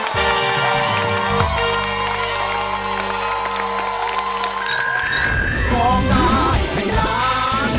ผู้ชายให้ร้าน